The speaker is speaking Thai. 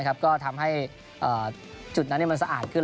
ก็ทำให้จุดนั้นมันสะอาดขึ้น